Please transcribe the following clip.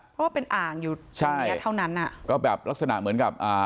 เพราะว่าเป็นอ่างอยู่ช่วงเนี้ยเท่านั้นอ่ะก็แบบลักษณะเหมือนกับอ่า